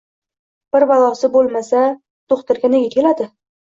Bir balosi bo‘lmasa, do‘xtirga nega keladi?